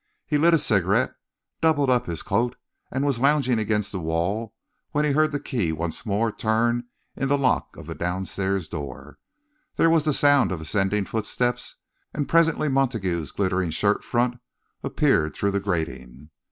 He lit a cigarette, doubled up his coat, and was lounging against the wall when he heard the key once more turn in the lock of the downstairs door. There was the sound of ascending footsteps, and presently Montague's glittering shirt front appeared through the grating.